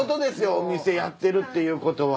お店やってるっていうことは。